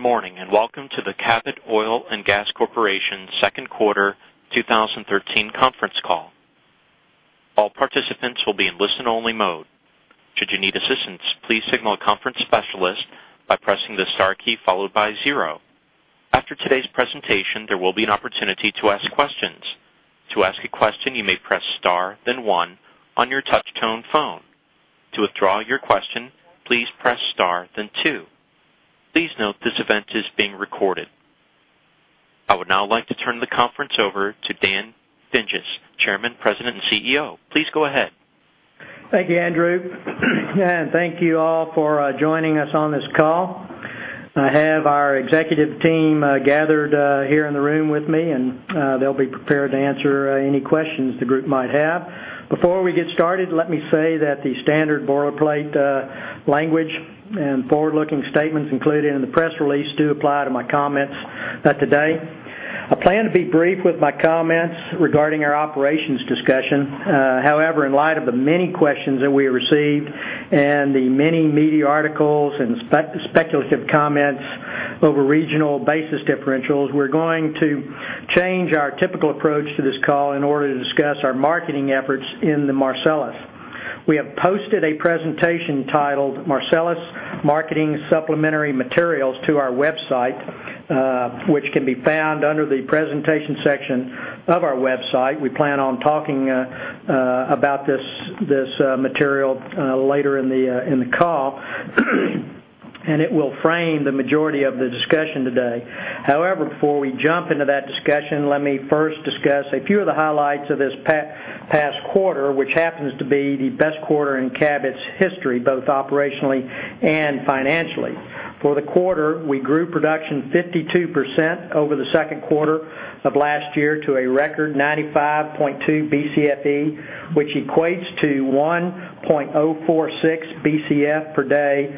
Good morning, and welcome to the Cabot Oil & Gas Corporation Second Quarter 2013 conference call. All participants will be in listen-only mode. Should you need assistance, please signal a conference specialist by pressing the star key followed by zero. After today's presentation, there will be an opportunity to ask questions. To ask a question, you may press star, then one on your touch tone phone. To withdraw your question, please press star, then two. Please note, this event is being recorded. I would now like to turn the conference over to Dan Dinges, Chairman, President, and CEO. Please go ahead. Thank you, Andrew. Thank you all for joining us on this call. I have our executive team gathered here in the room with me, and they'll be prepared to answer any questions the group might have. Before we get started, let me say that the standard boilerplate language and forward-looking statements included in the press release do apply to my comments today. I plan to be brief with my comments regarding our operations discussion. However, in light of the many questions that we received and the many media articles and speculative comments over regional basis differentials, we're going to change our typical approach to this call in order to discuss our marketing efforts in the Marcellus. We have posted a presentation titled Marcellus Marketing Supplementary Materials to our website, which can be found under the presentation section of our website. We plan on talking about this material later in the call, and it will frame the majority of the discussion today. However, before we jump into that discussion, let me first discuss a few of the highlights of this past quarter, which happens to be the best quarter in Cabot's history, both operationally and financially. For the quarter, we grew production 52% over the second quarter of last year to a record 95.2 BCFE, which equates to 1.046 BCF per day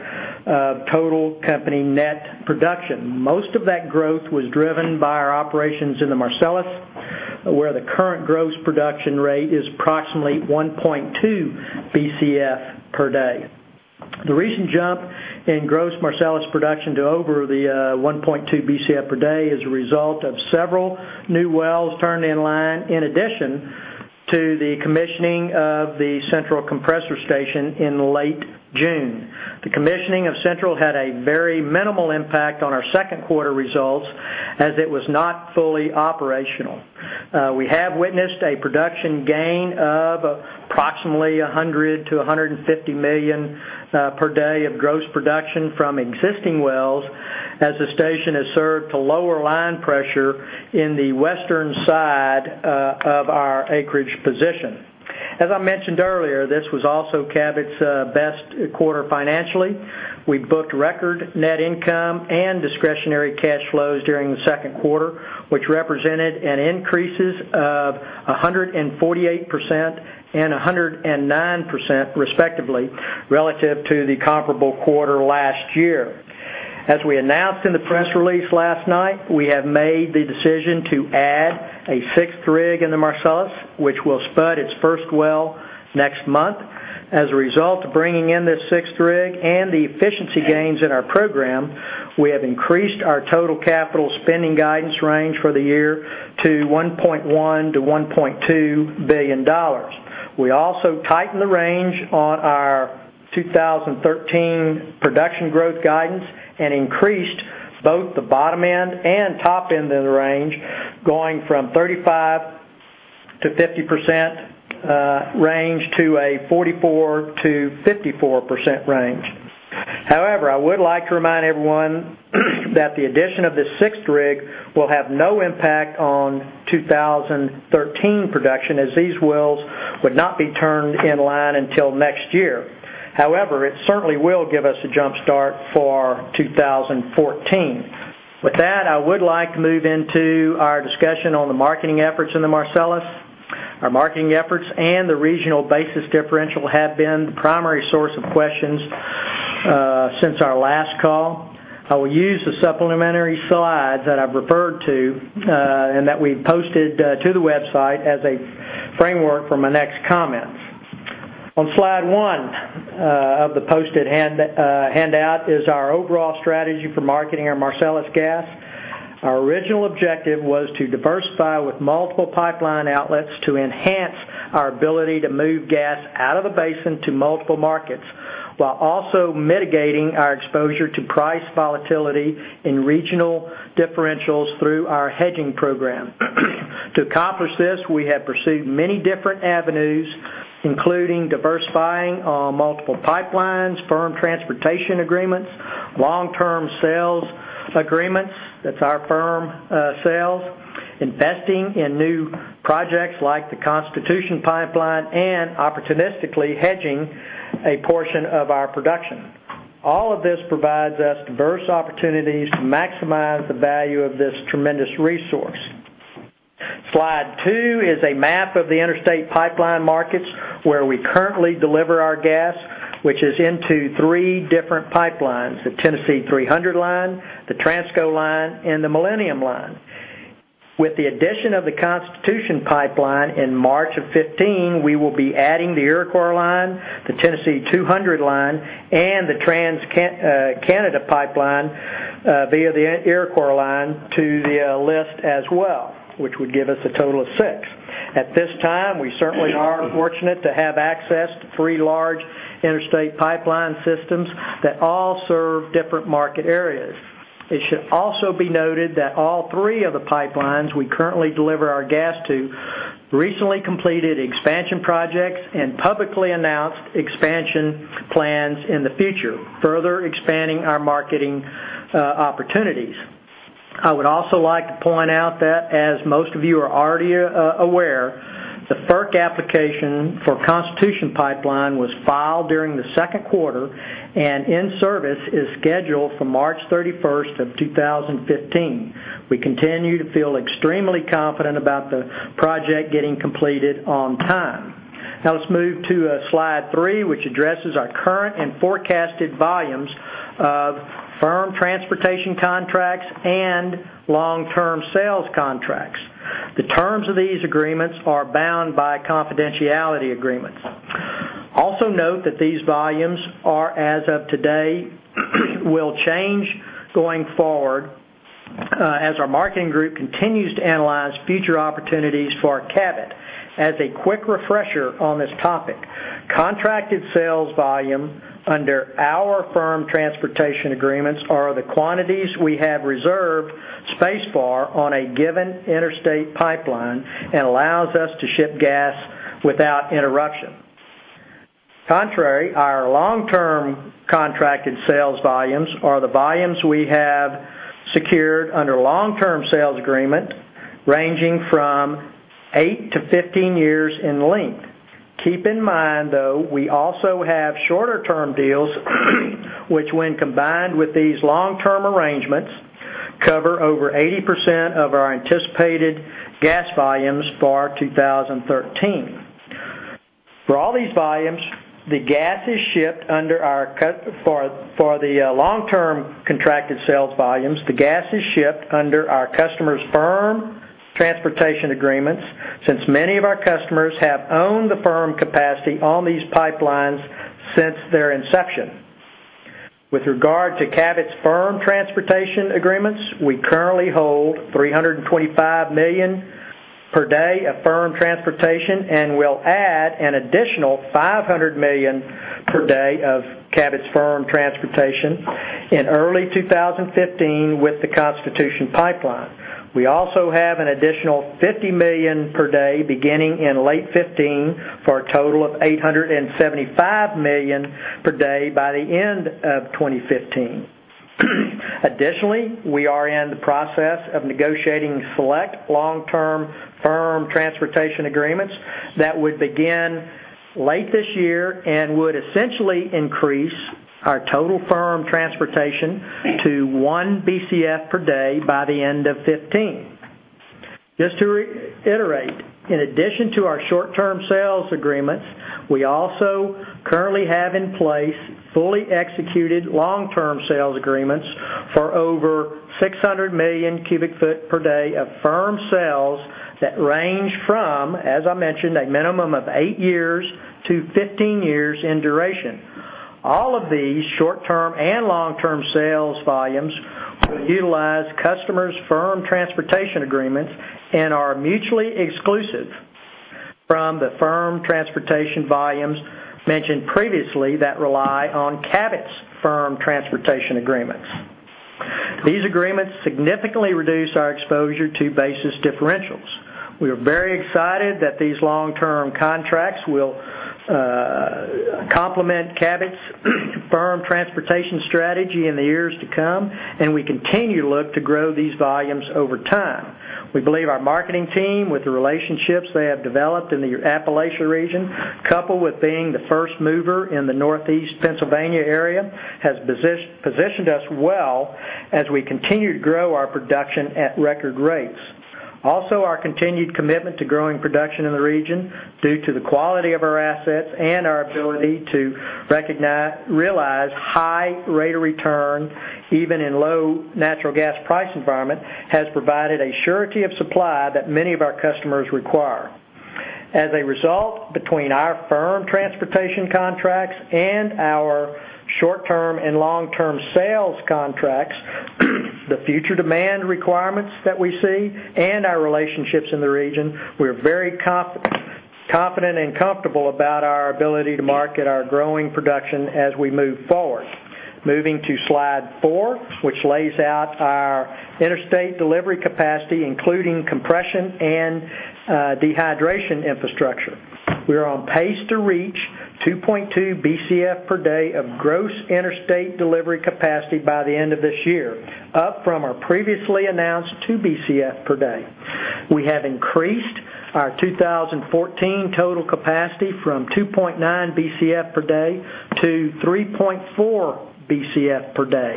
of total company net production. Most of that growth was driven by our operations in the Marcellus, where the current gross production rate is approximately 1.2 BCF per day. The recent jump in gross Marcellus production to over the 1.2 BCF per day is a result of several new wells turned in line, in addition to the commissioning of the Central Compressor Station in late June. The commissioning of Central had a very minimal impact on our second quarter results as it was not fully operational. We have witnessed a production gain of approximately 100 million-150 million per day of gross production from existing wells as the station has served to lower line pressure in the western side of our acreage position. As I mentioned earlier, this was also Cabot's best quarter financially. We booked record net income and discretionary cash flows during the second quarter, which represented an increases of 148% and 109% respectively, relative to the comparable quarter last year. As we announced in the press release last night, we have made the decision to add a sixth rig in the Marcellus, which will spud its first well next month. As a result of bringing in this sixth rig and the efficiency gains in our program, we have increased our total capital spending guidance range for the year to $1.1 billion-$1.2 billion. We also tightened the range on our 2013 production growth guidance and increased both the bottom end and top end of the range, going from 35%-50% range to a 44%-54% range. However, I would like to remind everyone that the addition of this sixth rig will have no impact on 2013 production, as these wells would not be turned in line until next year. However, it certainly will give us a jump start for 2014. With that, I would like to move into our discussion on the marketing efforts in the Marcellus. Our marketing efforts and the regional basis differential have been the primary source of questions since our last call. I will use the supplementary slides that I've referred to and that we've posted to the website as a framework for my next comments. On Slide one of the posted handout is our overall strategy for marketing our Marcellus gas. Our original objective was to diversify with multiple pipeline outlets to enhance our ability to move gas out of the basin to multiple markets, while also mitigating our exposure to price volatility in regional differentials through our hedging program. To accomplish this, we have pursued many different avenues, including diversifying on multiple pipelines, firm transportation agreements, long-term sales agreements, that's our firm sales, investing in new projects like the Constitution Pipeline, and opportunistically hedging a portion of our production. All of this provides us diverse opportunities to maximize the value of this tremendous resource. Slide two is a map of the interstate pipeline markets where we currently deliver our gas, which is into three different pipelines, the Tennessee 300 Line, the Transco Line, and the Millennium Line. With the addition of the Constitution Pipeline in March of 2015, we will be adding the Iroquois Line, the Tennessee 200 Line, and the TransCanada Pipeline via the Iroquois Line to the list as well, which would give us a total of six. At this time, we certainly are fortunate to have access to three large interstate pipeline systems that all serve different market areas. It should also be noted that all three of the pipelines we currently deliver our gas to recently completed expansion projects and publicly announced expansion plans in the future, further expanding our marketing opportunities. I would also like to point out that, as most of you are already aware, the FERC application for Constitution Pipeline was filed during the second quarter and in-service is scheduled for March 31st of 2015. We continue to feel extremely confident about the project getting completed on time. Now let's move to Slide three, which addresses our current and forecasted volumes of firm transportation contracts and long-term sales contracts. The terms of these agreements are bound by confidentiality agreements. Also note that these volumes are as of today, will change going forward as our marketing group continues to analyze future opportunities for our Cabot. As a quick refresher on this topic, contracted sales volume under our firm transportation agreements are the quantities we have reserved space for on a given interstate pipeline and allows us to ship gas without interruption. Contrary, our long-term contracted sales volumes are the volumes we have secured under long-term sales agreement ranging from eight to 15 years in length. Keep in mind, though, we also have shorter term deals, which when combined with these long-term arrangements, cover over 80% of our anticipated gas volumes for 2013. For all these volumes, the gas is shipped under our for the long-term contracted sales volumes, the gas is shipped under our customers' firm transportation agreements since many of our customers have owned the firm capacity on these pipelines since their inception. With regard to Cabot's firm transportation agreements, we currently hold 325 million per day of firm transportation and will add an additional 500 million per day of Cabot's firm transportation in early 2015 with the Constitution Pipeline. Additionally, we also have an additional 50 million per day beginning in late 2015 for a total of 875 million per day by the end of 2015. Additionally, we are in the process of negotiating select long-term firm transportation agreements that would begin late this year and would essentially increase our total firm transportation to 1 Bcf per day by the end of 2015. Just to reiterate, in addition to our short-term sales agreements, we also currently have in place fully executed long-term sales agreements for over 600 million cubic foot per day of firm sales that range from, as I mentioned, a minimum of eight years to 15 years in duration. All of these short-term and long-term sales volumes will utilize customers' firm transportation agreements and are mutually exclusive from the firm transportation volumes mentioned previously that rely on Cabot's firm transportation agreements. These agreements significantly reduce our exposure to basis differentials. We are very excited that these long-term contracts will complement Cabot's firm transportation strategy in the years to come, and we continue to look to grow these volumes over time. We believe our marketing team, with the relationships they have developed in the Appalachian region, coupled with being the first mover in the Northeast Pennsylvania area, has positioned us well as we continue to grow our production at record rates. Also, our continued commitment to growing production in the region, due to the quality of our assets and our ability to realize high rate of return, even in low natural gas price environment, has provided a surety of supply that many of our customers require. As a result, between our firm transportation contracts and our short-term and long-term sales contracts, the future demand requirements that we see, and our relationships in the region, we're very confident and comfortable about our ability to market our growing production as we move forward. Moving to Slide four, which lays out our interstate delivery capacity, including compression and dehydration infrastructure. We are on pace to reach 2.2 Bcf per day of gross interstate delivery capacity by the end of this year, up from our previously announced 2 Bcf per day. We have increased our 2014 total capacity from 2.9 Bcf per day to 3.4 Bcf per day.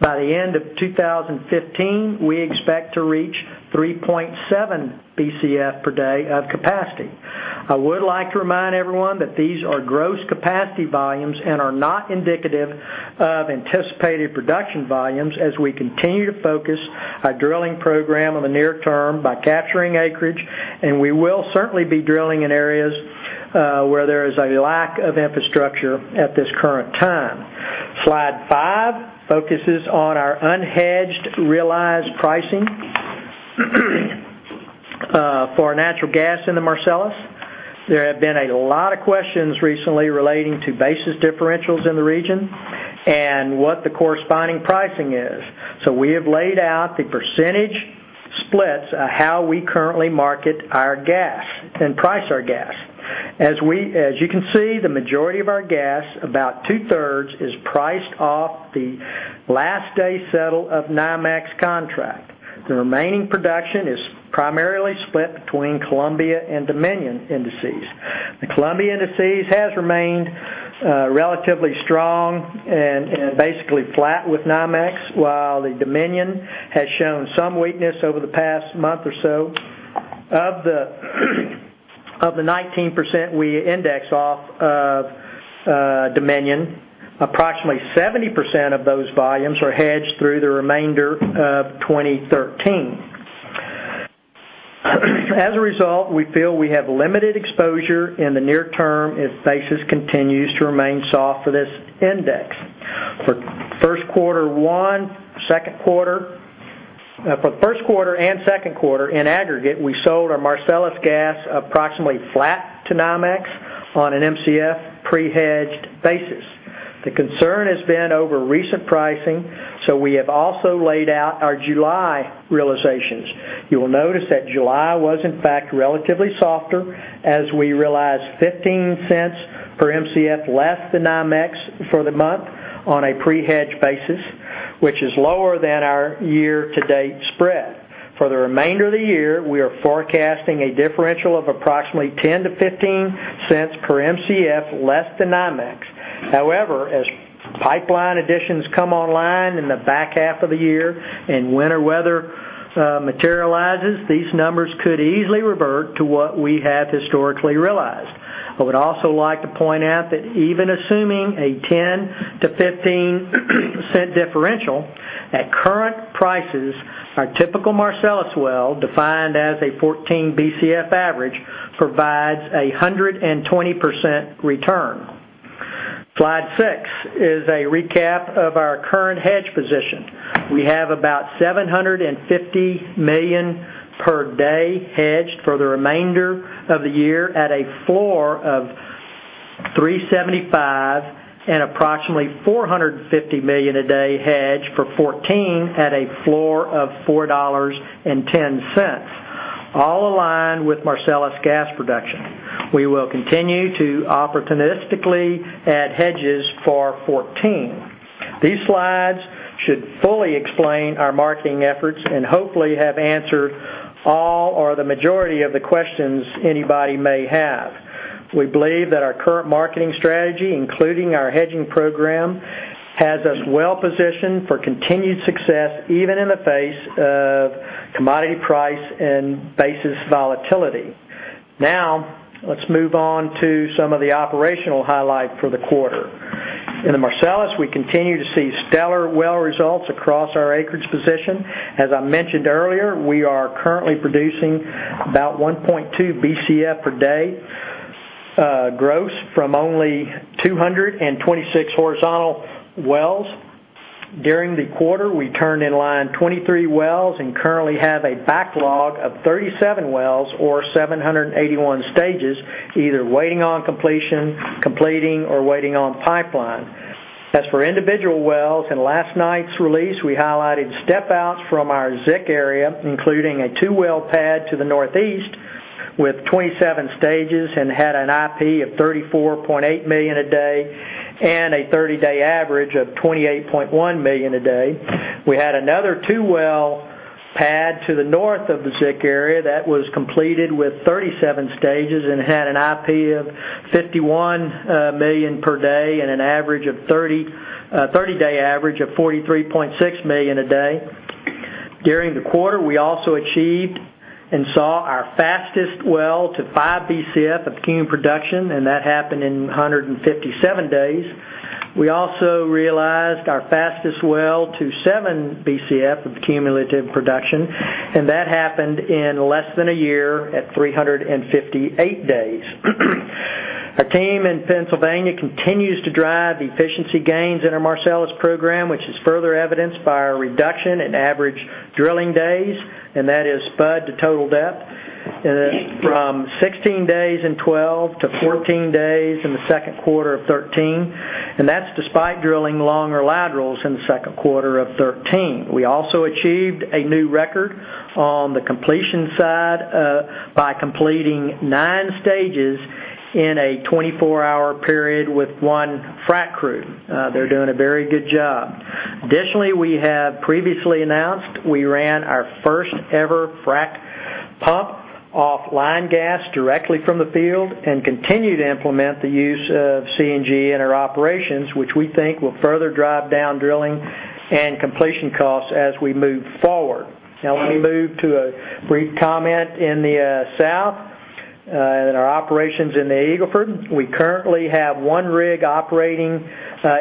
By the end of 2015, we expect to reach 3.7 Bcf per day of capacity. I would like to remind everyone that these are gross capacity volumes and are not indicative of anticipated production volumes as we continue to focus our drilling program on the near term by capturing acreage, we will certainly be drilling in areas where there is a lack of infrastructure at this current time. Slide five focuses on our unhedged realized pricing for natural gas in the Marcellus. There have been a lot of questions recently relating to basis differentials in the region and what the corresponding pricing is. We have laid out the percentage splits of how we currently market our gas and price our gas. As you can see, the majority of our gas, about two-thirds, is priced off the last day settle of NYMEX contract. The remaining production is primarily split between Columbia and Dominion indices. The Columbia indices has remained relatively strong and basically flat with NYMEX, while the Dominion has shown some weakness over the past month or so. Of the 19% we index off of Dominion, approximately 70% of those volumes are hedged through the remainder of 2013. As a result, we feel we have limited exposure in the near term if basis continues to remain soft for this index. For first quarter and second quarter, in aggregate, we sold our Marcellus gas approximately flat to NYMEX on an MCF pre-hedged basis. The concern has been over recent pricing. We have also laid out our July realizations. You will notice that July was, in fact, relatively softer as we realized $0.15 per MCF less than NYMEX for the month on a pre-hedge basis, which is lower than our year-to-date spread. For the remainder of the year, we are forecasting a differential of approximately $0.10-$0.15 per MCF less than NYMEX. However, as pipeline additions come online in the back half of the year and winter weather materializes, these numbers could easily revert to what we have historically realized. I would also like to point out that even assuming a 10%-15% differential, at current prices, our typical Marcellus well, defined as a 14 BCF average, provides a 120% return. Slide six is a recap of our current hedge position. We have about $750 million per day hedged for the remainder of the year at a floor of $3.75 and approximately $450 million a day hedged for 2014 at a floor of $4.10, all aligned with Marcellus gas production. We will continue to opportunistically add hedges for 2014. These slides should fully explain our marketing efforts and hopefully have answered all or the majority of the questions anybody may have. We believe that our current marketing strategy, including our hedging program, has us well positioned for continued success, even in the face of commodity price and basis volatility. Let's move on to some of the operational highlights for the quarter. In the Marcellus, we continue to see stellar well results across our acreage position. As I mentioned earlier, we are currently producing about 1.2 BCF per day gross from only 226 horizontal wells. During the quarter, we turned in line 23 wells and currently have a backlog of 37 wells or 781 stages, either waiting on completion, completing, or waiting on pipeline. As for individual wells, in last night's release, we highlighted step outs from our ZIC area, including a two-well pad to the northeast with 27 stages and had an IP of 34.8 million a day and a 30-day average of 28.1 million a day. We had another two-well pad to the north of the ZIC area that was completed with 37 stages and had an IP of 51 million per day and a 30-day average of 43.6 million a day. During the quarter, we also achieved and saw our fastest well to five Bcf of cumulative production, and that happened in 157 days. We also realized our fastest well to seven Bcf of cumulative production, and that happened in less than a year at 358 days. Our team in Pennsylvania continues to drive efficiency gains in our Marcellus program, which is further evidenced by our reduction in average drilling days. That is spud to total depth from 16 days in 2012 to 14 days in the second quarter of 2013. That's despite drilling longer laterals in the second quarter of 2013. We also achieved a new record on the completion side by completing nine stages in a 24-hour period with one frack crew. They're doing a very good job. Additionally, we have previously announced we ran our first ever frack pump off line gas directly from the field and continue to implement the use of CNG in our operations, which we think will further drive down drilling and completion costs as we move forward. Let me move to a brief comment in the South. In our operations in the Eagle Ford, we currently have one rig operating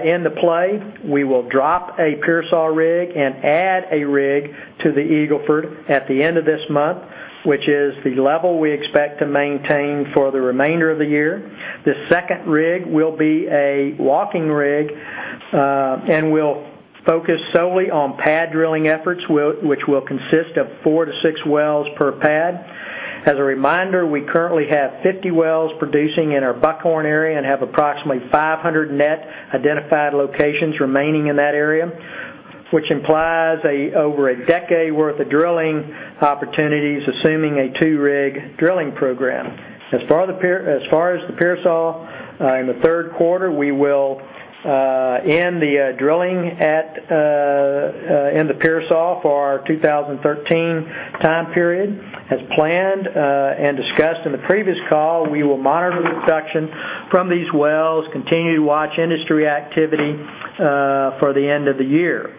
in the play. We will drop a Pearsall rig and add a rig to the Eagle Ford at the end of this month, which is the level we expect to maintain for the remainder of the year. The second rig will be a walking rig, and we'll focus solely on pad drilling efforts, which will consist of four to six wells per pad. As a reminder, we currently have 50 wells producing in our Buckhorn area and have approximately 500 net identified locations remaining in that area, which implies over a decade worth of drilling opportunities, assuming a two-rig drilling program. As far as the Pearsall, in the third quarter, we will end the drilling in the Pearsall for our 2013 time period. As planned and discussed in the previous call, we will monitor the production from these wells, continue to watch industry activity for the end of the year.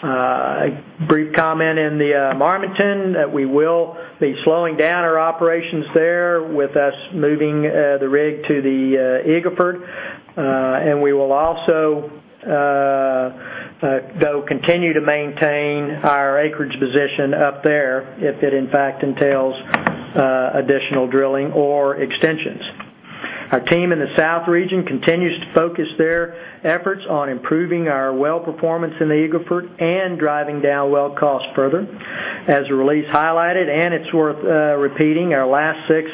A brief comment in the Marmaton, that we will be slowing down our operations there with us moving the rig to the Eagle Ford. We will also though continue to maintain our acreage position up there if it, in fact, entails additional drilling or extensions. Our team in the south region continues to focus their efforts on improving our well performance in the Eagle Ford and driving down well costs further. As the release highlighted, and it's worth repeating, our last six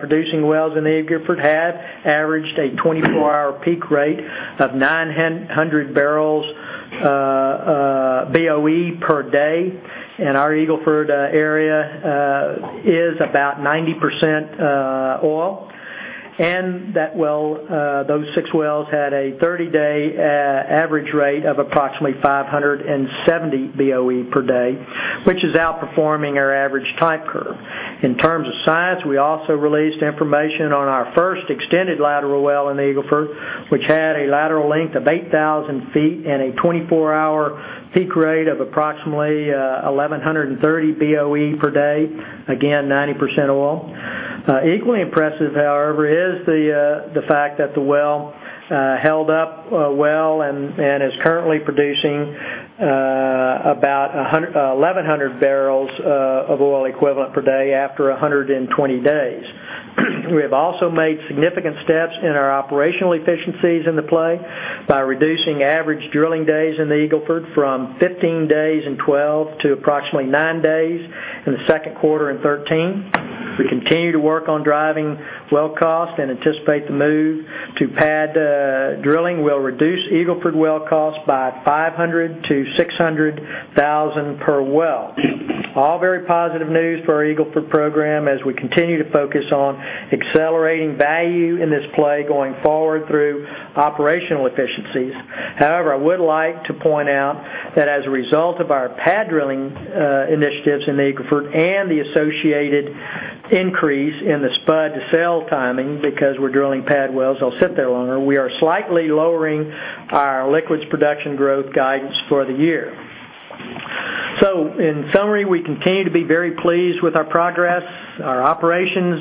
producing wells in the Eagle Ford have averaged a 24-hour peak rate of 900 barrels BOE per day, and our Eagle Ford area is about 90% oil. Those six wells had a 30-day average rate of approximately 570 BOE per day, which is outperforming our average type curve. In terms of size, we also released information on our first extended lateral well in the Eagle Ford, which had a lateral length of 8,000 feet and a 24-hour peak rate of approximately 1,130 BOE per day. Again, 90% oil. Equally impressive, however, is the fact that the well held up well and is currently producing about 1,100 barrels of oil equivalent per day after 120 days. We have also made significant steps in our operational efficiencies in the play by reducing average drilling days in the Eagle Ford from 15 days in 2012 to approximately nine days in the second quarter in 2013. We continue to work on driving well cost and anticipate the move to pad drilling will reduce Eagle Ford well costs by $500,000-$600,000 per well. All very positive news for our Eagle Ford program as we continue to focus on accelerating value in this play going forward through operational efficiencies. However, I would like to point out that as a result of our pad drilling initiatives in the Eagle Ford and the associated increase in the spud to sale timing, because we're drilling pad wells, they'll sit there longer, we are slightly lowering our liquids production growth guidance for the year. In summary, we continue to be very pleased with our progress, our operations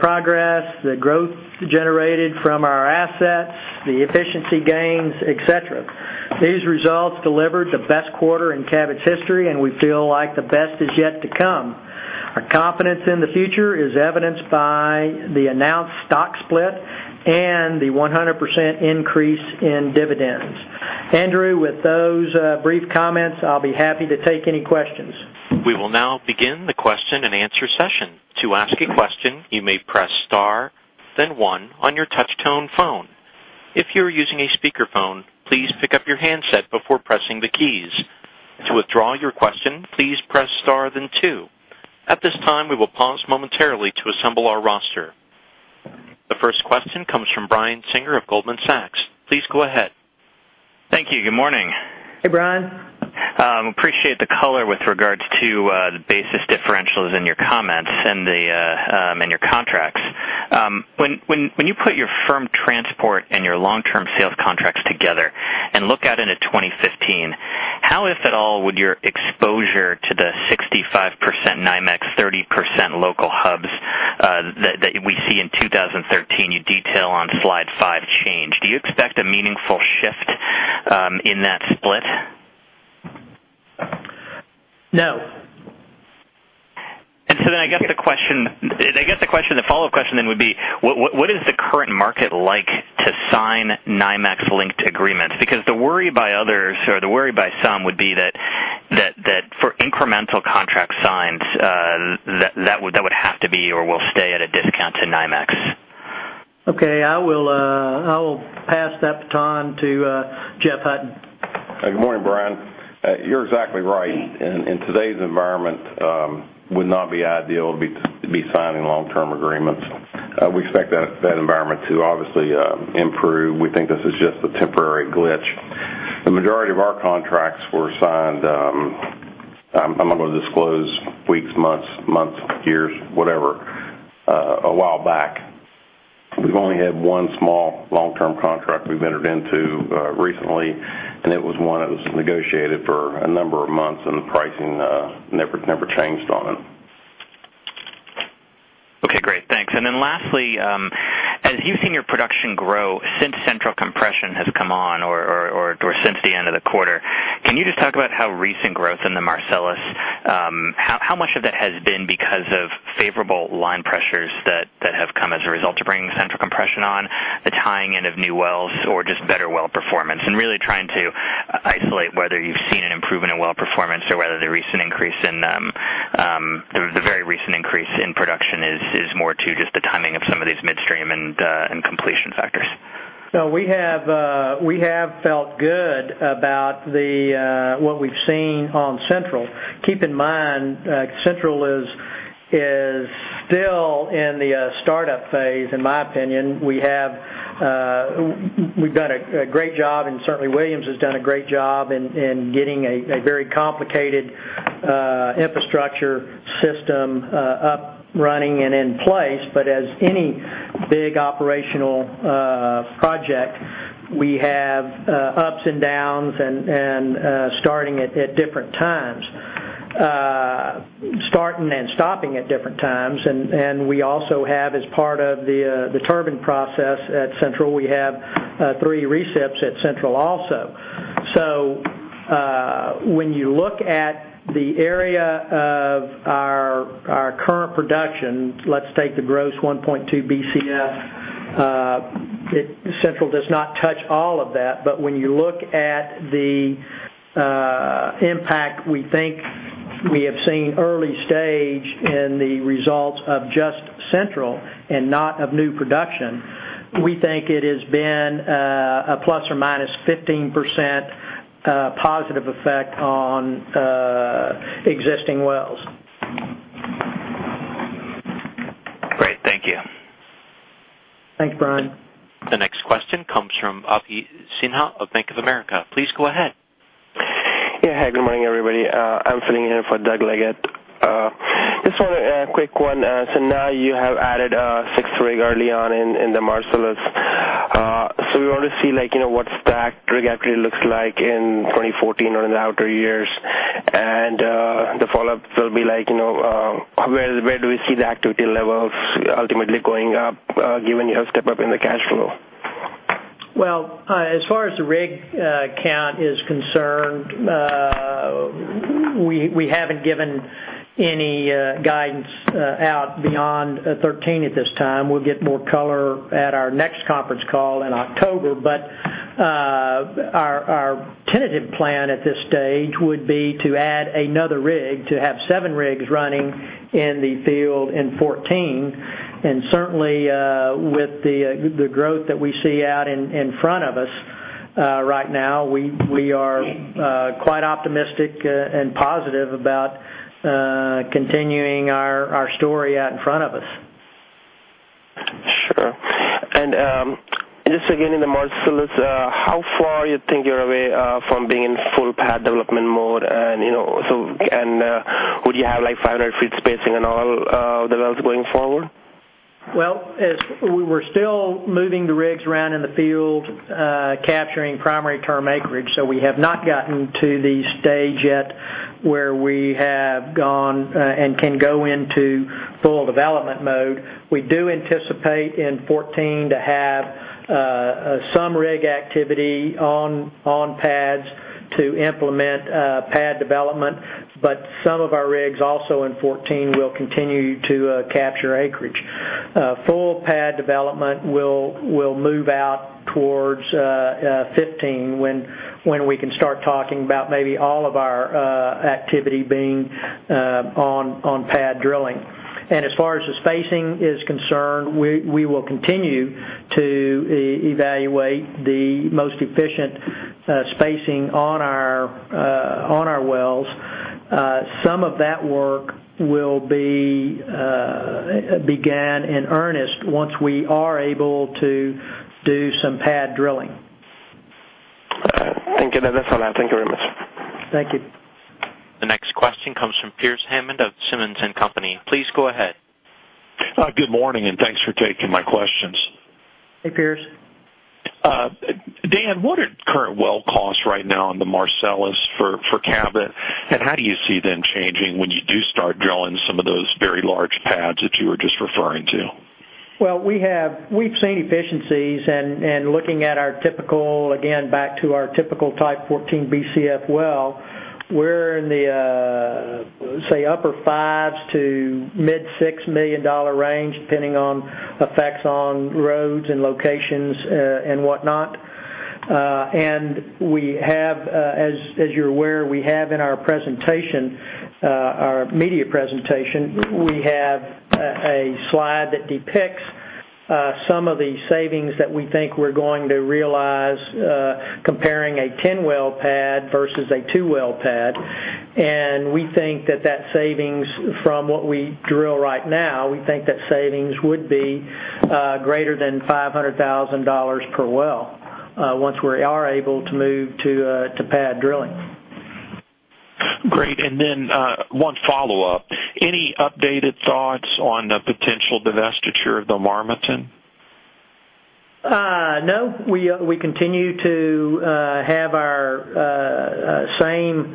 progress, the growth generated from our assets, the efficiency gains, et cetera. These results delivered the best quarter in Cabot's history, and we feel like the best is yet to come. Our confidence in the future is evidenced by the announced stock split and the 100% increase in dividends. Andrew, with those brief comments, I'll be happy to take any questions. We will now begin the question and answer session. To ask a question, you may press star, then one on your touch tone phone. If you're using a speakerphone, please pick up your handset before pressing the keys. To withdraw your question, please press star, then two. At this time, we will pause momentarily to assemble our roster. The first question comes from Brian Singer of Goldman Sachs. Please go ahead. Thank you. Good morning. Hey, Brian. Appreciate the color with regards to the basis differentials in your comments and your contracts. When you put your firm transport and your long-term sales contracts together and look out into 2015, how, if at all, would your exposure to the 65% NYMEX, 30% local hubs that we see in 2013 you detail on slide five change? Do you expect a meaningful shift in that split? No. I guess the follow-up question then would be, what is the current market like to sign NYMEX-linked agreements? Because the worry by others, or the worry by some would be that for incremental contract signs, that would have to be or will stay at a discount to NYMEX. Okay. I will pass that baton to Jeffrey Hutton. Good morning, Brian. You're exactly right. In today's environment, would not be ideal to be signing long-term agreements. We expect that environment to obviously improve. We think this is just a temporary glitch. The majority of our contracts were signed, I'm not going to disclose weeks, months, years, whatever, a while back. We've only had one small long-term contract we've entered into recently, and it was one that was negotiated for a number of months, and the pricing never changed on it. Okay, great. Thanks. Then lastly, as you've seen your production grow since Central Compression has come on or since the end of the quarter, can you just talk about how recent growth in the Marcellus, how much of that has been because of favorable line pressures that have come as a result of bringing Central Compression on, the tying in of new wells or just better well performance? Really trying to isolate whether you've seen an improvement in well performance or whether the very recent increase in production is more to just the timing of some of these midstream and completion factors. We have felt good about what we've seen on Central. Keep in mind, Central is still in the startup phase, in my opinion. We've done a great job, and certainly Williams has done a great job in getting a very complicated infrastructure system up, running, and in place. As any big operational project, we have ups and downs and starting at different times. Starting and stopping at different times. We also have, as part of the turbine process at Central, we have three recips at Central also. When you look at the area of our current production, let's take the gross 1.2 BCF, Central does not touch all of that, but when you look at the impact we think we have seen early stage in the results of just Central and not of new production, we think it has been a ±15% positive effect on existing wells. Great. Thank you. Thanks, Brian. The next question comes from Api Sinha of Bank of America. Please go ahead. Yeah. Hi, good morning, everybody. I'm filling in for Doug Leggate. Just want a quick one. Now you have added a sixth rig early on in the Marcellus. We want to see what stacked rig actually looks like in 2014 or in the outer years. The follow-up will be where do we see the activity level ultimately going up, given your step up in the cash flow? Well, as far as the rig count is concerned, we haven't given any guidance out beyond 2013 at this time. We'll get more color at our next conference call in October. Our tentative plan at this stage would be to add another rig to have seven rigs running in the field in 2014, certainly with the growth that we see out in front of us right now, we are quite optimistic and positive about continuing our story out in front of us. Sure. Just again, in the Marcellus, how far you think you're away from being in full pad development mode, and would you have 500 feet spacing in all the wells going forward? Well, we're still moving the rigs around in the field capturing primary term acreage, we have not gotten to the stage yet where we have gone and can go into full development mode. We do anticipate in 2014 to have some rig activity on pads to implement pad development, but some of our rigs also in 2014 will continue to capture acreage. Full pad development will move out towards 2015 when we can start talking about maybe all of our activity being on pad drilling. As far as the spacing is concerned, we will continue to evaluate the most efficient spacing on our wells. Some of that work will be began in earnest once we are able to do some pad drilling. All right. Thank you. That's all. Thank you very much. Thank you. The next question comes from Pearce Hammond of Simmons & Company. Please go ahead. Good morning. Thanks for taking my questions. Hey, Pearce. Dan, what are current well costs right now in the Marcellus for Cabot, and how do you see them changing when you do start drilling some of those very large pads that you were just referring to? Well, we've seen efficiencies, looking at our typical, again, back to our typical type 14 BCF well, we're in the, say, upper fives to mid $6 million range, depending on effects on roads and locations and whatnot. As you're aware, we have in our presentation, our media presentation, we have a slide that depicts some of the savings that we think we're going to realize comparing a 10-well pad versus a two-well pad. We think that that savings from what we drill right now, we think that savings would be greater than $500,000 per well once we are able to move to pad drilling. Great. Then one follow-up. Any updated thoughts on the potential divestiture of the Marmaton? No. We continue to have our same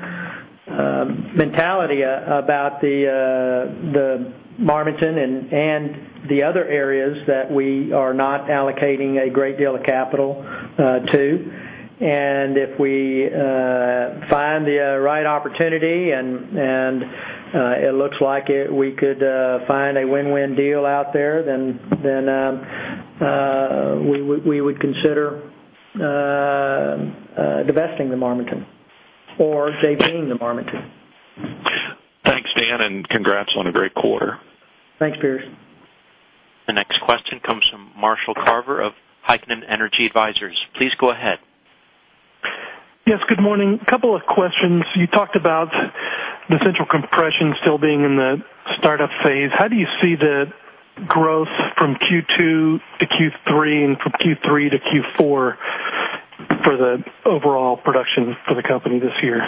mentality about the Marmaton and the other areas that we are not allocating a great deal of capital to. If we find the right opportunity and it looks like we could find a win-win deal out there, then we would consider divesting the Marmaton or JV-ing the Marmaton. Thanks, Dan, and congrats on a great quarter. Thanks, Pearce. The next question comes from Marshall Carver of Heikkinen Energy Advisors. Please go ahead. Yes, good morning. Couple of questions. You talked about the Central Compression still being in the startup phase. How do you see the growth from Q2 to Q3 and from Q3 to Q4 for the overall production for the company this year?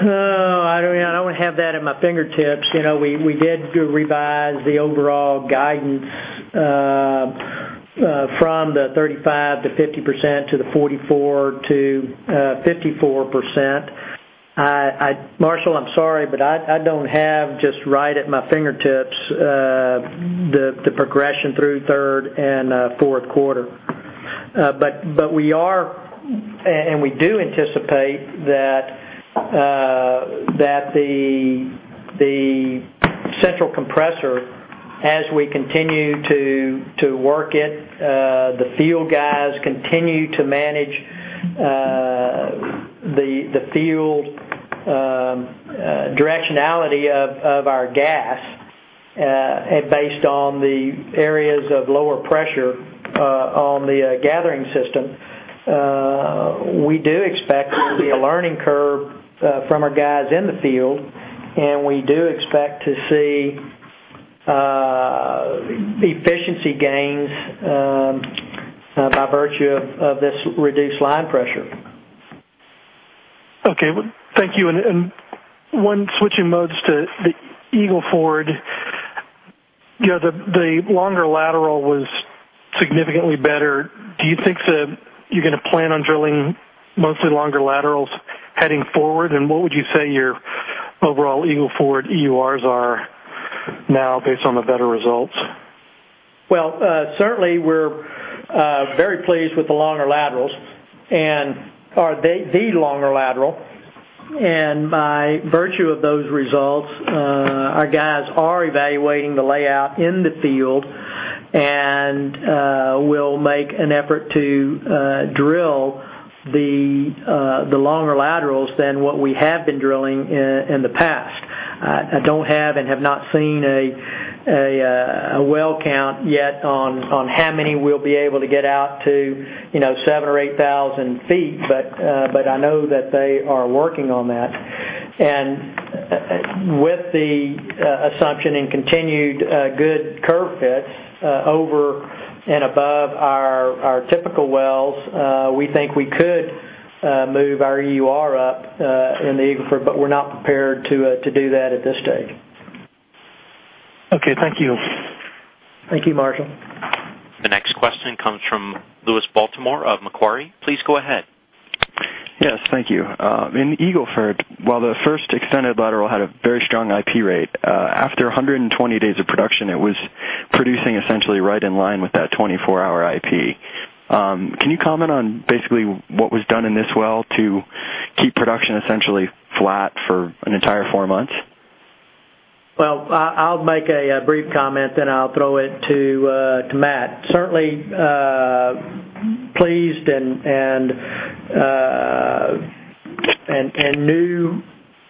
I don't have that at my fingertips. We did revise the overall guidance from the 35%-50% to the 44%-54%. Marshall, I'm sorry, I don't have just right at my fingertips the progression through third and fourth quarter. We are, and we do anticipate that the Central Compressor, as we continue to work it, the field guys continue to manage the field directionality of our natural gas based on the areas of lower pressure on the gathering system. We do expect there'll be a learning curve from our guys in the field, and we do expect to see efficiency gains by virtue of this reduced line pressure. Okay. Thank you. One, switching modes to the Eagle Ford, the longer lateral was significantly better. Do you think that you're going to plan on drilling mostly longer laterals heading forward? What would you say your overall Eagle Ford EURs are now based on the better results? Well, certainly we're very pleased with the longer laterals and the longer lateral. By virtue of those results, our guys are evaluating the layout in the field and will make an effort to drill the longer laterals than what we have been drilling in the past. I don't have and have not seen a well count yet on how many we'll be able to get out to 7,000 or 8,000 feet, I know that they are working on that. With the assumption and continued good curve fits over and above our typical wells, we think we could move our EUR up in the Eagle Ford, we're not prepared to do that at this stage. Okay, thank you. Thank you, Marshall. The next question comes from Louis Baltimore of Macquarie. Please go ahead. Yes, thank you. In Eagle Ford, while the first extended lateral had a very strong IP rate, after 120 days of production, it was producing essentially right in line with that 24-hour IP. Can you comment on basically what was done in this well to keep production essentially flat for an entire four months? I'll make a brief comment, then I'll throw it to Matt. Certainly pleased and knew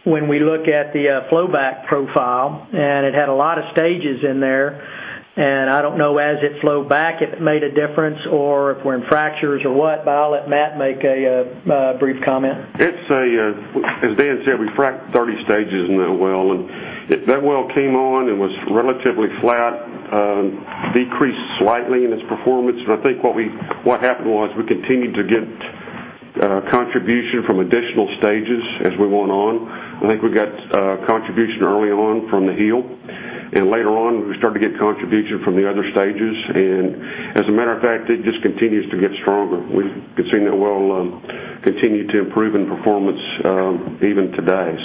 when we look at the flow back profile, and it had a lot of stages in there, and I don't know, as it flowed back, if it made a difference or if we're in fractures or what, but I'll let Matt make a brief comment. As Dan said, we fracked 30 stages in that well, that well came on and was relatively flat, decreased slightly in its performance. I think what happened was we continued to get contribution from additional stages as we went on. I think we got contribution early on from the heel, later on, we started to get contribution from the other stages. As a matter of fact, it just continues to get stronger. We've seen that well continue to improve in performance even today.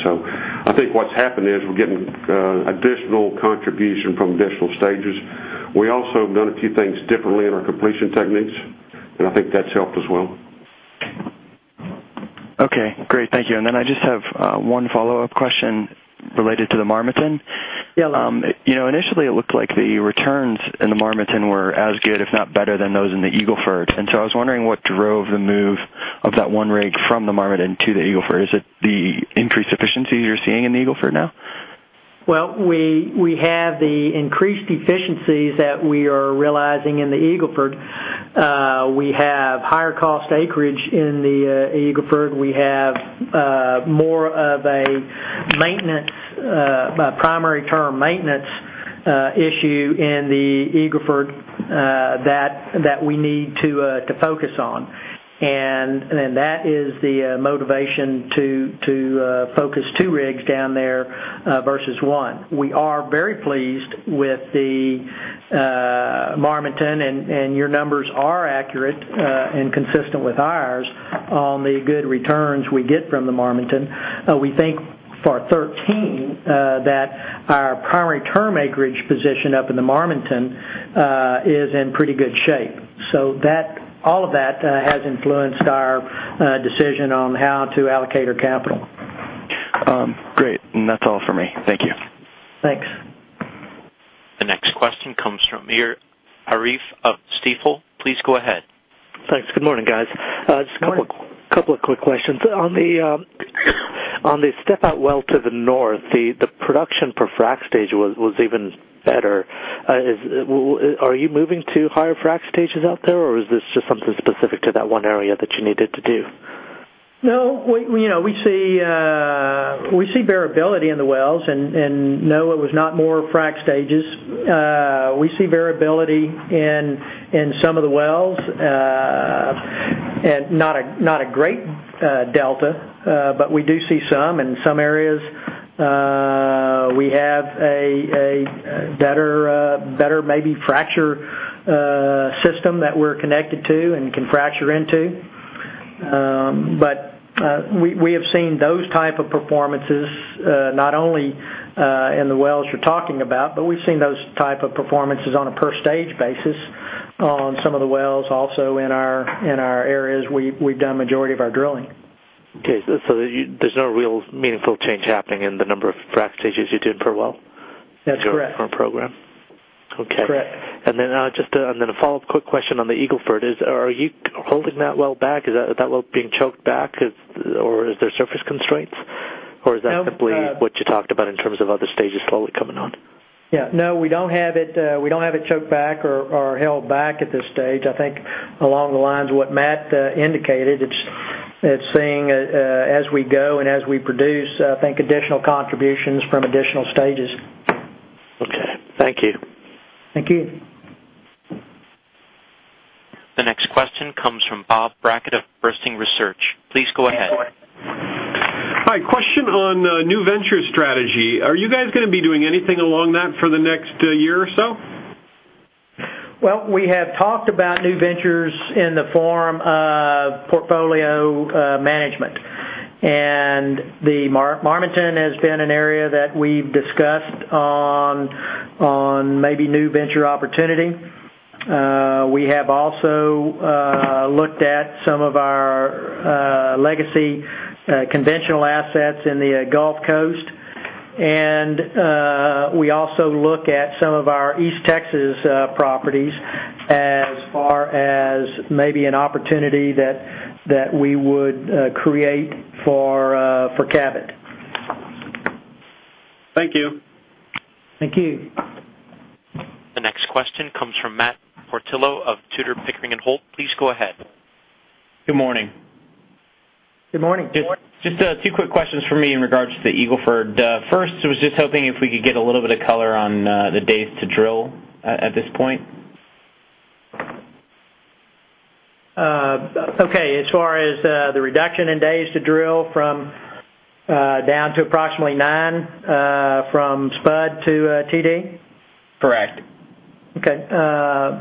I think what's happened is we're getting additional contribution from additional stages. We also have done a few things differently in our completion techniques, and I think that's helped as well. Okay, great. Thank you. Then I just have one follow-up question related to the Marmaton. Yeah. Initially, it looked like the returns in the Marmaton were as good, if not better, than those in the Eagle Ford. I was wondering what drove the move of that one rig from the Marmaton to the Eagle Ford. Is it the increased efficiency you're seeing in the Eagle Ford now? Well, we have the increased efficiencies that we are realizing in the Eagle Ford. We have higher cost acreage in the Eagle Ford. We have more of a Maintenance, primary term maintenance issue in the Eagle Ford that we need to focus on. That is the motivation to focus two rigs down there versus one. We are very pleased with the Marmaton, and your numbers are accurate and consistent with ours on the good returns we get from the Marmaton. We think for 2013, that our primary term acreage position up in the Marmaton is in pretty good shape. All of that has influenced our decision on how to allocate our capital. Great. That's all for me. Thank you. Thanks. The next question comes from Amir Arif of Stifel. Please go ahead. Thanks. Good morning, guys. Good morning. Just a couple of quick questions. On the step out well to the north, the production per frack stage was even better. Are you moving to higher frack stages out there, or is this just something specific to that one area that you needed to do? No. We see variability in the wells, and no, it was not more frack stages. We see variability in some of the wells, and not a great delta, but we do see some in some areas. We have a better maybe fracture system that we're connected to and can fracture into. We have seen those type of performances, not only in the wells you're talking about, but we've seen those type of performances on a per stage basis on some of the wells also in our areas we've done majority of our drilling. Okay. There's no real meaningful change happening in the number of frack stages you did per well? That's correct. In your current program? Okay. Correct. A follow-up quick question on the Eagle Ford is, are you holding that well back? Is that well being choked back, or is there surface constraints? Or is that simply what you talked about in terms of other stages slowly coming on? Yeah. No, we don't have it choked back or held back at this stage. I think along the lines of what Matt indicated, it's seeing as we go and as we produce, I think additional contributions from additional stages. Okay. Thank you. Thank you. The next question comes from Bob Brackett of Bernstein Research. Please go ahead. Hi. Question on new venture strategy. Are you guys going to be doing anything along that for the next year or so? Well, we have talked about new ventures in the form of portfolio management. The Marmaton has been an area that we've discussed on maybe new venture opportunity. We have also looked at some of our legacy conventional assets in the Gulf Coast. We also look at some of our East Texas properties as far as maybe an opportunity that we would create for Cabot. Thank you. Thank you. The next question comes from Matt Portillo of Tudor, Pickering & Holt. Please go ahead. Good morning. Good morning. Just two quick questions from me in regards to the Eagle Ford. First, I was just hoping if we could get a little bit of color on the days to drill at this point. Okay. As far as the reduction in days to drill from down to approximately nine from spud to TD? Correct. Okay.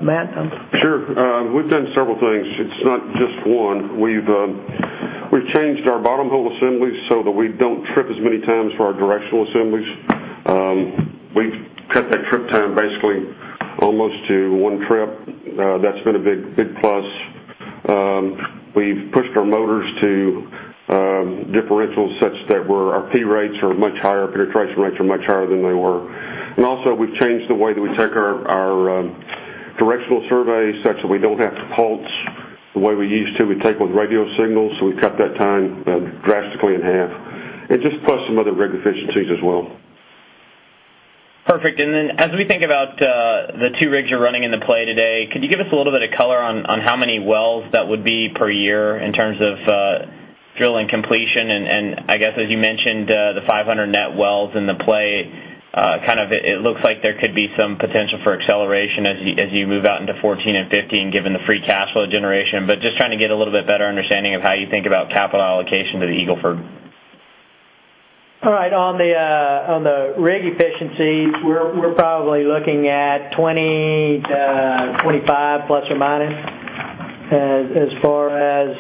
Matt? Sure. We've done several things. It's not just one. We've changed our bottom hole assemblies so that we don't trip as many times for our directional assemblies. We've cut that trip time basically almost to one trip. That's been a big plus. We've pushed our motors to differential such that our P rates are much higher, penetration rates are much higher than they were. Also, we've changed the way that we take our directional survey such that we don't have to pulse the way we used to. We take with radio signals, we cut that time drastically in half. Just plus some other rig efficiencies as well. Perfect. As we think about the two rigs you're running in the play today, could you give us a little bit of color on how many wells that would be per year in terms of drilling completion and I guess, as you mentioned, the 500 net wells in the play. It looks like there could be some potential for acceleration as you move out into 2014 and 2015, given the free cash flow generation. Just trying to get a little bit better understanding of how you think about capital allocation to the Eagle Ford. All right. On the rig efficiencies, we're probably looking at 20 to 25, plus or minus, as far as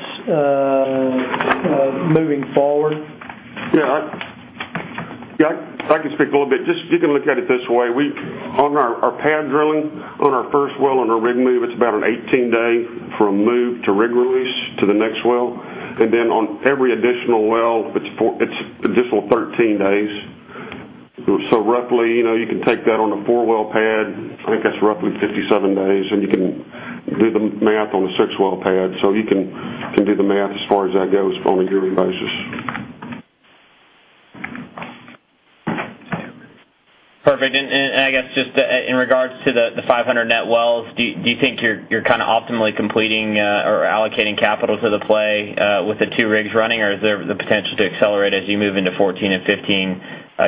moving forward. Yeah. If I can speak a little bit. You can look at it this way. On our pad drilling on our first well on our rig move, it's about an 18-day from move to rig release to the next well. On every additional well, it's additional 13 days. Roughly, you can take that on a four-well pad, I think that's roughly 57 days, and you can do the math on a six-well pad. You can do the math as far as that goes on a yearly basis. Perfect. I guess just in regards to the 500 net wells, do you think you're optimally completing or allocating capital to the play with the two rigs running? Or is there the potential to accelerate as you move into 2014 and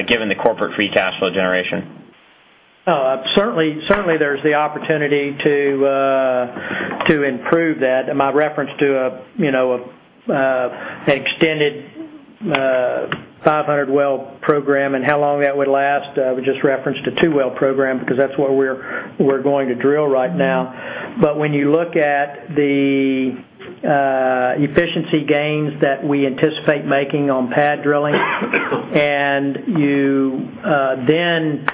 2015, given the corporate free cash flow generation? Certainly there's the opportunity to improve that, and my reference to an extended 500-well program and how long that would last, I would just reference to two-well program because that's where we're going to drill right now. When you look at the efficiency gains that we anticipate making on pad drilling, and you then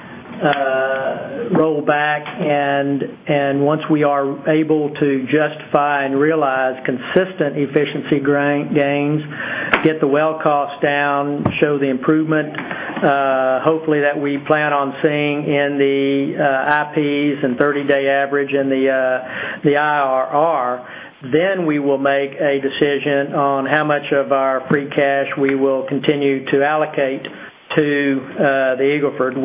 roll back, and once we are able to justify and realize consistent efficiency gains, get the well cost down, show the improvement, hopefully that we plan on seeing in the IPs and 30-day average in the IRR, then we will make a decision on how much of our free cash we will continue to allocate to the Eagle Ford.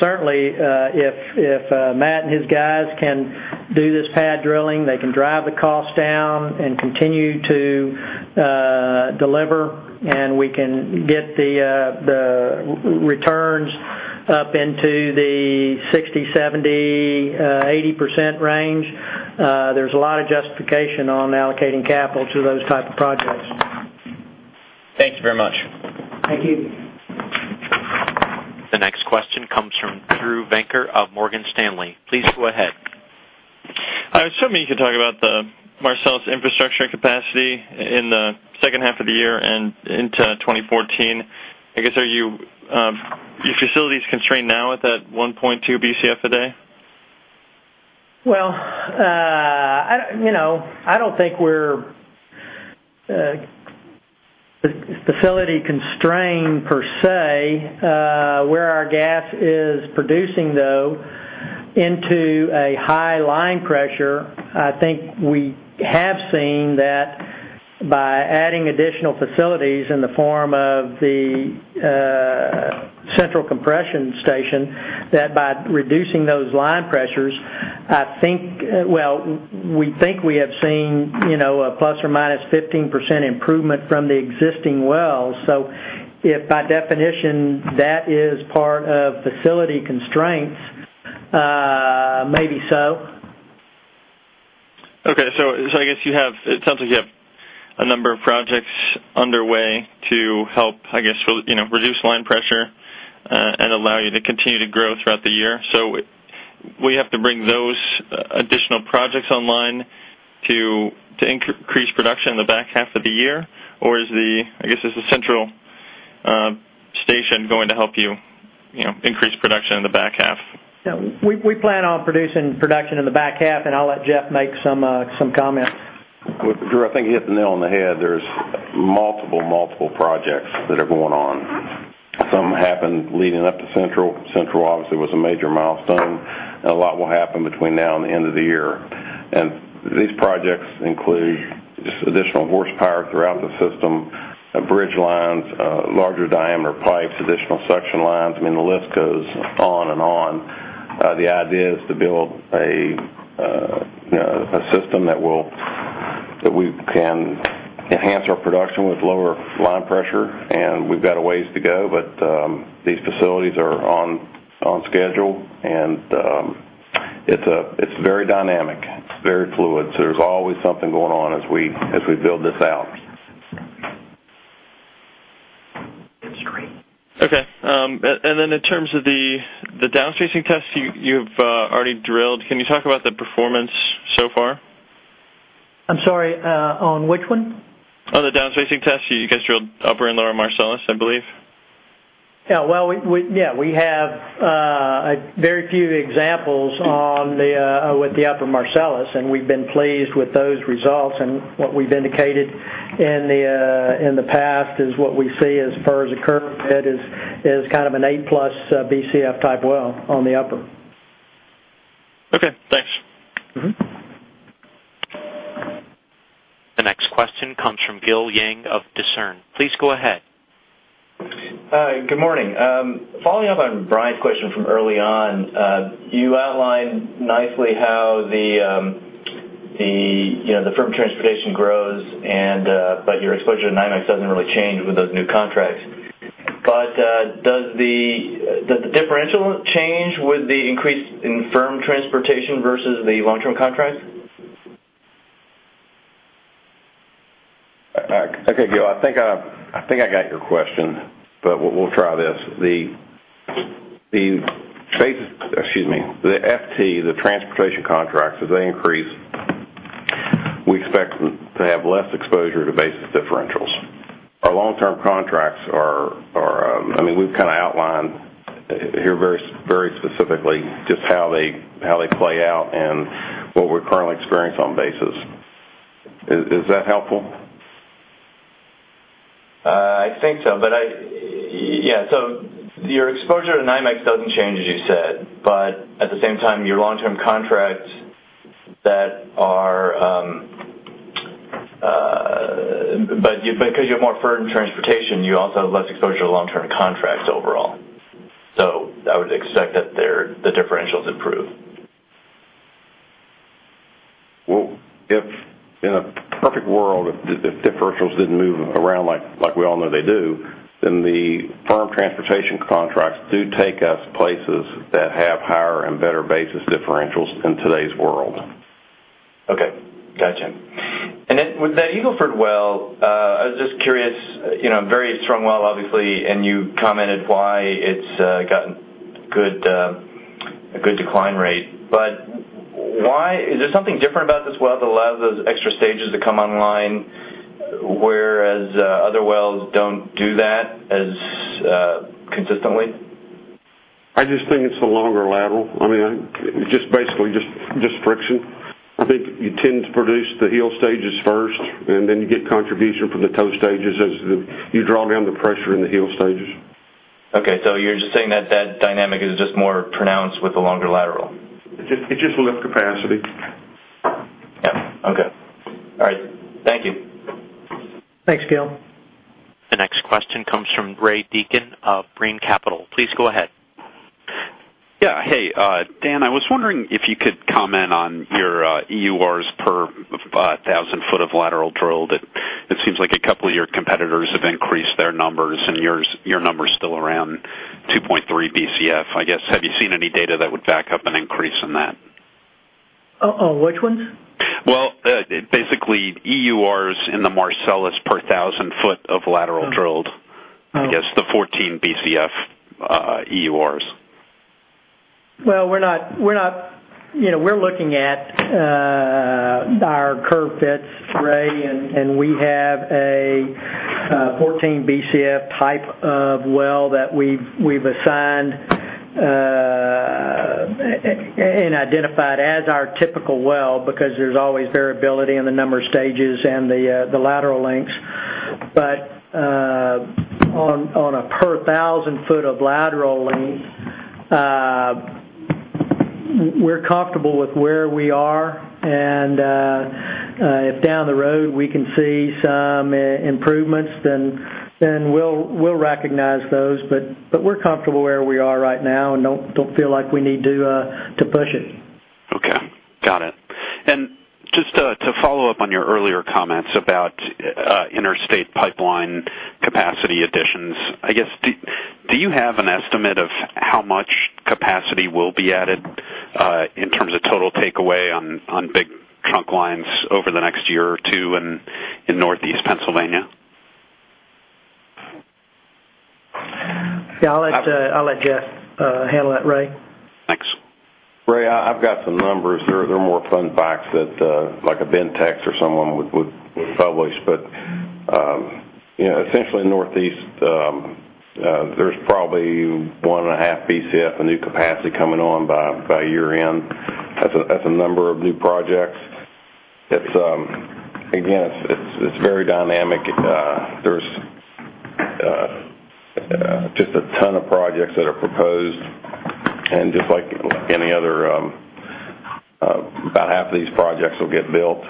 Certainly, if Matt and his guys can do this pad drilling, they can drive the cost down and continue to deliver, and we can get the returns up into the 60%, 70%, 80% range, there's a lot of justification on allocating capital to those type of projects. Thank you very much. Thank you. The next question comes from Drew Venker of Morgan Stanley. Please go ahead. I was hoping you could talk about the Marcellus infrastructure capacity in the second half of the year and into 2014. I guess, are your facilities constrained now at that 1.2 BCF a day? Well, I don't think we're facility constrained per se. Where our gas is producing, though, into a high line pressure, I think we have seen that by adding additional facilities in the form of the Central Compression Station, that by reducing those line pressures, well, we think we have seen a ±15% improvement from the existing wells. If by definition that is part of facility constraints, maybe so. Okay. I guess it sounds like you have a number of projects underway to help, I guess, reduce line pressure and allow you to continue to grow throughout the year. Will you have to bring those additional projects online to increase production in the back half of the year? Or is the, I guess, is the Central Station going to help you increase production in the back half? We plan on producing production in the back half, and I'll let Jeff make some comments. Drew, I think you hit the nail on the head. There's multiple projects that are going on. Some happened leading up to Central. Central, obviously, was a major milestone. A lot will happen between now and the end of the year. These projects include additional horsepower throughout the system, bridge lines, larger diameter pipes, additional suction lines. I mean, the list goes on and on. The idea is to build a system that we can enhance our production with lower line pressure. We've got a ways to go, but these facilities are on schedule, and it's very dynamic. It's very fluid. There's always something going on as we build this out. Okay. Then in terms of the downspacing tests you've already drilled, can you talk about the performance so far? I'm sorry, on which one? On the downspacing test. You guys drilled Upper and Lower Marcellus, I believe. Yeah, we have very few examples with the Upper Marcellus, and we've been pleased with those results. What we've indicated in the past is what we see as far as the curve head is an 8+ Bcf type well on the upper. Okay, thanks. The next question comes from Gil Yang of Discern. Please go ahead. Hi. Good morning. Following up on Brian's question from early on, you outlined nicely how the firm transportation grows, your exposure to NYMEX doesn't really change with those new contracts. Does the differential change with the increase in firm transportation versus the long-term contracts? Okay, Gil, I think I got your question, we'll try this. The FT, the transportation contracts, as they increase, we expect to have less exposure to basis differentials. We've outlined here very specifically just how they play out and what we currently experience on basis. Is that helpful? I think so. Your exposure to NYMEX doesn't change, as you said, but at the same time, your long-term contracts that are Because you have more firm transportation, you also have less exposure to long-term contracts overall. I would expect that the differentials improve. Well, if in a perfect world, if differentials didn't move around like we all know they do, then the firm transportation contracts do take us places that have higher and better basis differentials in today's world. Okay. Gotcha. With that Eagle Ford well, I was just curious, very strong well, obviously, and you commented why it's gotten a good decline rate. Is there something different about this well that allows those extra stages to come online, whereas other wells don't do that as consistently? I just think it's a longer lateral. Basically, just friction. I think you tend to produce the heel stages first, and then you get contribution from the toe stages as you draw down the pressure in the heel stages. Okay, you're just saying that dynamic is just more pronounced with the longer lateral. It's just lift capacity. Yeah. Okay. All right. Thank you. Thanks, Gil. The next question comes from Ray Deacon of Brean Capital. Please go ahead. Yeah. Hey, Dan, I was wondering if you could comment on your EURs per thousand foot of lateral drilled. It seems like a couple of your competitors have increased their numbers, your number's still around 2.3 Bcf. I guess, have you seen any data that would back up an increase in that? Which ones? Well, basically, EURs in the Marcellus per 1,000 foot of lateral drilled. I guess the 14 BCF EURs. Well, we're looking at our curve fits, Ray. We have a 14 BCF type of well that we've assigned, and identified as our typical well, because there's always variability in the number of stages and the lateral lengths. On a per 1,000 foot of lateral length, we're comfortable with where we are, and if down the road we can see some improvements, then we'll recognize those. We're comfortable where we are right now and don't feel like we need to push it. Okay. Got it. Just to follow up on your earlier comments about interstate pipeline capacity additions, I guess, do you have an estimate of how much capacity will be added in terms of total takeaway on big trunk lines over the next year or two in Northeast Pennsylvania? Yeah, I'll let Jeff handle that, Ray. Thanks. Ray, I've got some numbers. They're more fun facts that like a BENTEK Energy or someone would publish. Essentially Northeast, there's probably one and a half Bcf of new capacity coming on by year-end. That's a number of new projects. Again, it's very dynamic. There's just a ton of projects that are proposed. Just like any other, about half of these projects will get built.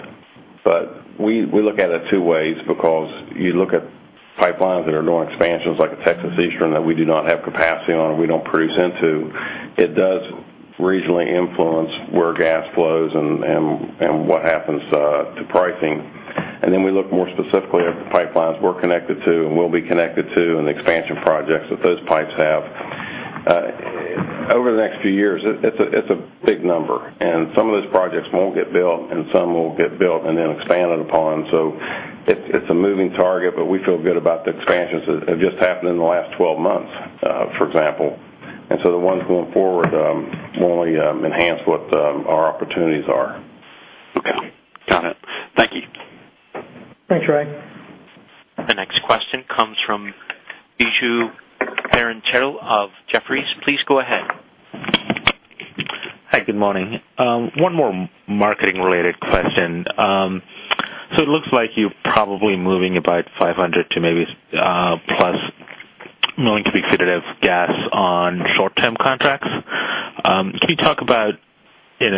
We look at it two ways because you look at pipelines that are doing expansions, like a Texas Eastern that we do not have capacity on and we don't produce into. It does regionally influence where gas flows and what happens to pricing. Then we look more specifically at the pipelines we're connected to and will be connected to, and the expansion projects that those pipes have. Over the next few years, it's a big number. Some of those projects won't get built. Some will get built and then expanded upon. It's a moving target, but we feel good about the expansions that have just happened in the last 12 months, for example. The ones going forward will only enhance what our opportunities are. Okay. Got it. Thank you. Thanks, Ray. The next question comes from Biju Perincheril of Jefferies. Please go ahead. Hi, good morning. One more marketing related question. It looks like you're probably moving about 500 to maybe plus million cubic feet of gas on short-term contracts. Can you talk about in,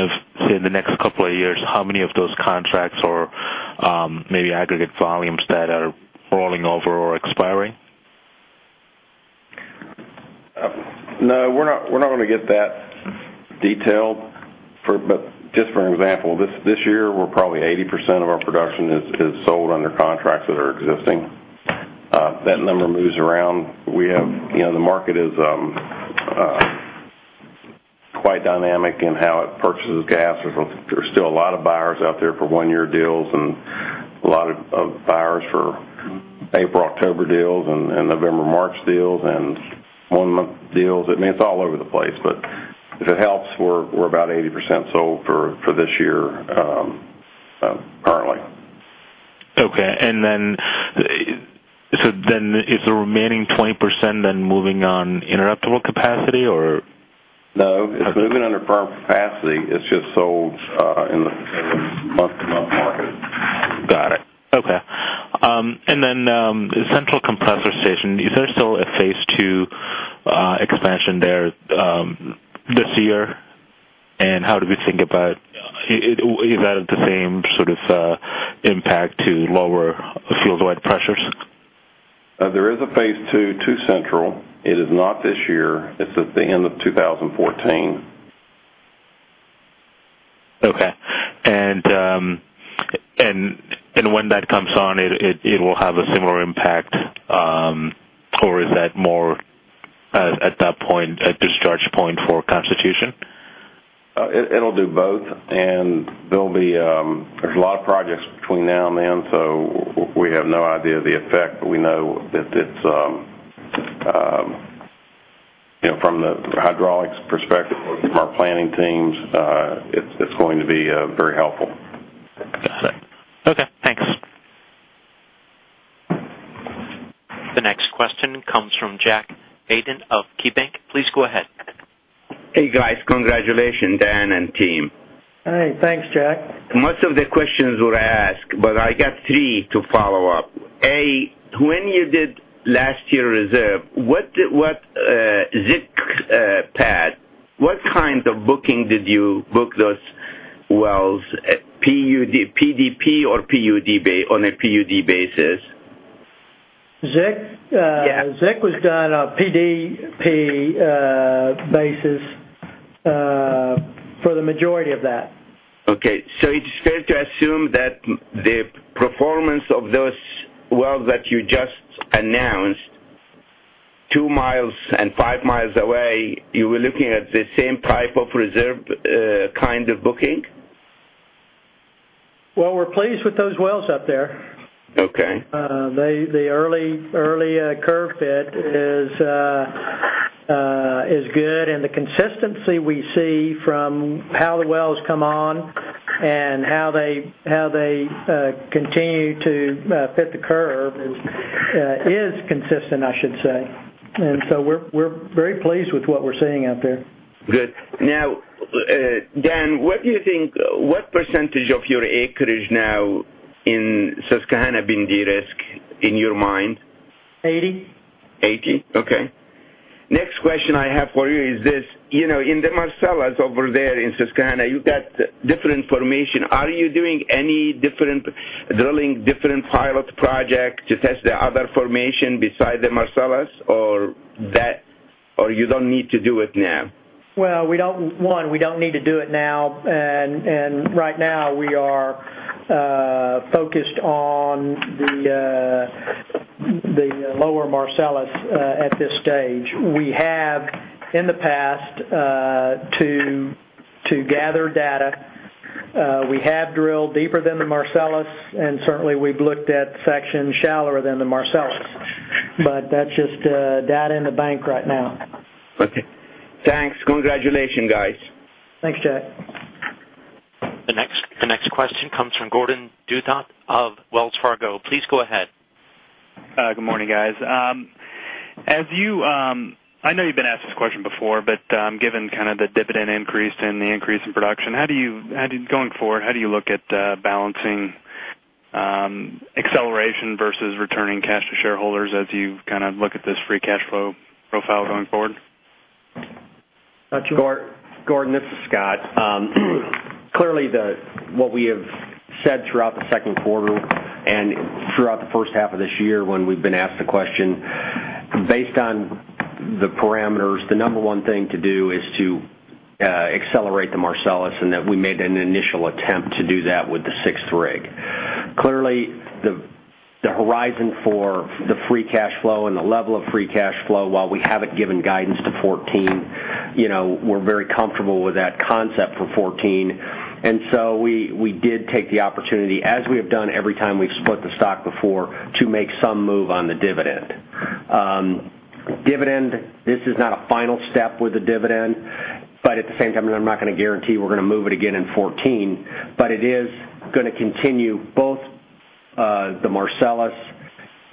say, the next couple of years, how many of those contracts or maybe aggregate volumes that are rolling over or expiring? No, we're not going to get that detailed. Just for an example, this year, probably 80% of our production is sold under contracts that are existing. That number moves around. The market is quite dynamic in how it purchases gas. There's still a lot of buyers out there for one-year deals and a lot of buyers for April-October deals and November-March deals and one-month deals. It's all over the place. If it helps, we're about 80% sold for this year currently. Okay. Is the remaining 20% then moving on interruptible capacity or? No, it's moving under firm capacity. It's just sold in the month-to-month market. Got it. Okay. The Central Compressor Station, you said Mentioned there this year, how do we think about, is that the same sort of impact to lower field-wide pressures? There is a phase 2 to Central. It is not this year, it's at the end of 2014. Okay. When that comes on, it will have a similar impact, or is that more at that point, a discharge point for Constitution? It'll do both, and there's a lot of projects between now and then, so we have no idea of the effect, but we know that from the hydraulics perspective, from our planning teams, it's going to be very helpful. Got it. Okay, thanks. The next question comes from Jack Eydin of KeyBank. Please go ahead. Hey, guys. Congratulations, Dan and team. Hey, thanks, Jack. Most of the questions were asked, but I got three to follow up. A, when you did last year reserve, what ZIC pad, what kind of booking did you book those wells, PDP or on a PUD basis? ZIC? Yeah. ZIC was done on PDP basis for the majority of that. Okay. It's fair to assume that the performance of those wells that you just announced two miles and five miles away, you were looking at the same type of reserve kind of booking? Well, we're pleased with those wells up there. Okay. The early curve fit is good, the consistency we see from how the wells come on and how they continue to fit the curve is consistent, I should say. We're very pleased with what we're seeing out there. Good. Dan, what do you think, what percentage of your acreage now in Susquehanna been de-risked, in your mind? 80. 80? Okay. Next question I have for you is this. In the Marcellus over there in Susquehanna, you've got different formation. Are you doing any different drilling, different pilot project to test the other formation beside the Marcellus, or you don't need to do it now? Well, one, we don't need to do it now. Right now, we are focused on the lower Marcellus at this stage. We have, in the past, to gather data. We have drilled deeper than the Marcellus, certainly, we've looked at sections shallower than the Marcellus. That's just data in the bank right now. Okay. Thanks. Congratulations, guys. Thanks, Jack. The next question comes from Gordon Douthat of Wells Fargo. Please go ahead. Good morning, guys. I know you've been asked this question before, given the dividend increase and the increase in production, going forward, how do you look at balancing acceleration versus returning cash to shareholders as you look at this free cash flow profile going forward? Scott? Gordon, this is Scott. Clearly, what we have said throughout the second quarter and throughout the first half of this year when we've been asked the question, based on the parameters, the number 1 thing to do is to accelerate the Marcellus, that we made an initial attempt to do that with the sixth rig. Clearly, the horizon for the free cash flow and the level of free cash flow, while we haven't given guidance to 2014, we're very comfortable with that concept for 2014. We did take the opportunity, as we have done every time we've split the stock before, to make some move on the dividend. This is not a final step with the dividend. At the same time, I'm not going to guarantee we're going to move it again in 2014. It is going to continue both the Marcellus,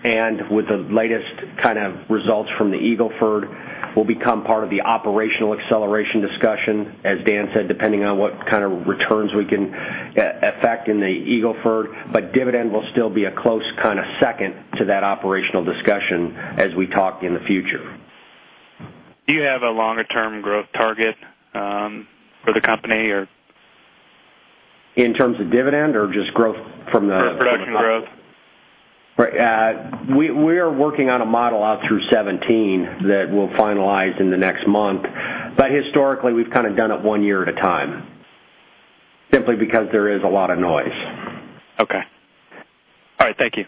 and with the latest results from the Eagle Ford, will become part of the operational acceleration discussion, as Dan said, depending on what kind of returns we can affect in the Eagle Ford. Dividend will still be a close second to that operational discussion as we talk in the future. Do you have a longer-term growth target for the company, or? In terms of dividend or just growth from the Production growth. We are working on a model out through 2017 that we'll finalize in the next month. Historically, we've done it one year at a time, simply because there is a lot of noise. Okay. All right. Thank you.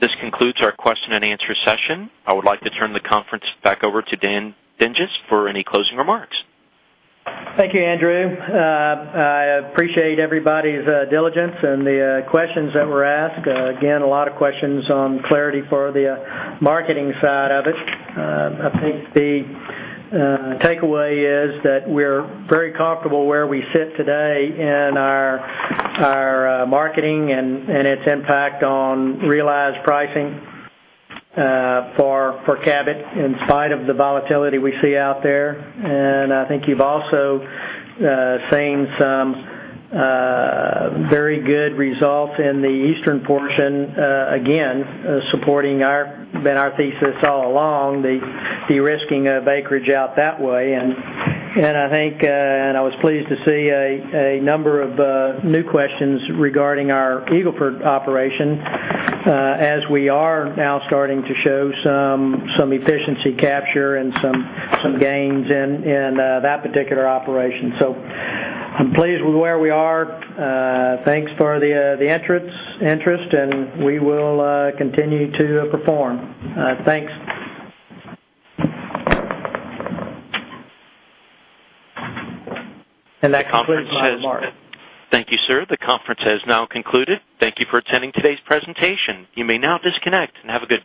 This concludes our question and answer session. I would like to turn the conference back over to Dan Dinges for any closing remarks. Thank you, Andrew. I appreciate everybody's diligence and the questions that were asked. Again, a lot of questions on clarity for the marketing side of it. I think the takeaway is that we're very comfortable where we sit today in our marketing and its impact on realized pricing for Cabot, in spite of the volatility we see out there. I think you've also seen some very good results in the eastern portion, again, supporting our thesis all along, the de-risking of acreage out that way. I was pleased to see a number of new questions regarding our Eagle Ford operation, as we are now starting to show some efficiency capture and some gains in that particular operation. I'm pleased with where we are. Thanks for the interest, and we will continue to perform. Thanks. That concludes my remarks. Thank you, sir. The conference has now concluded. Thank you for attending today's presentation. You may now disconnect, and have a good day.